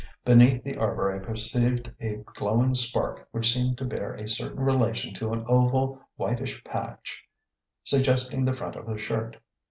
Beneath the arbour I perceived a glowing spark which seemed to bear a certain relation to an oval whitish patch suggesting the front of a shirt.